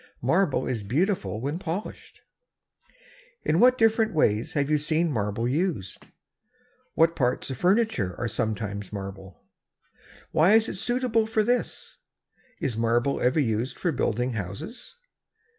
Marble is beautiful when polished. [Illustration: A MARBLE QUARRY.] In what different ways have you seen marble used? What parts of furniture are sometimes marble? Why is it suitable for this? Is marble ever used for building houses?